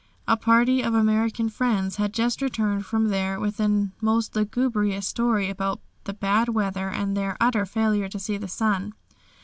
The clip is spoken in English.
A party of American friends had just returned from there with the most lugubrious story about the bad weather and their utter failure to see the sun.